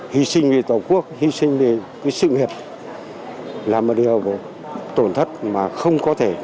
hy sinh vì tổ quốc hy sinh vì sự nghiệp là một điều tổn thương